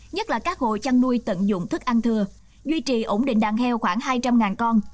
nhất là các hộ chăn nuôi tận dụng thức ăn thừa duy trì ổn định đàn heo khoảng hai trăm linh con